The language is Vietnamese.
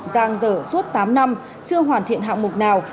giang dở suốt tám năm chưa hoàn thiện hạng mục nào